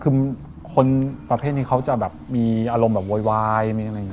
คือคนประเภทที่เขาจะมีอารมณ์โวยวาย